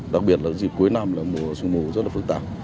đặc biệt là dịp cuối năm là mùa sương mù rất là phức tạp